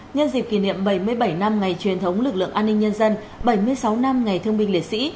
nhân dịp kỷ niệm bảy mươi bảy năm ngày truyền thống lực lượng an ninh nhân dân bảy mươi sáu năm ngày thương binh liệt sĩ